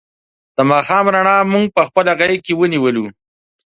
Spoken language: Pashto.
د ماښام رڼا مونږ په خپله غېږ کې ونیولو.